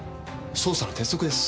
捜査の鉄則です。